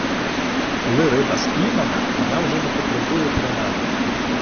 Коли риба спіймана, вона вже не потребує принади.